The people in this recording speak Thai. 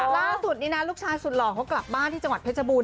ล่าสุดนี้นะลูกชายสุดหล่อเขากลับบ้านที่จังหวัดเพชรบูร